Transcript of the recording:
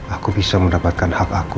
aku bisa mendapatkan hak aku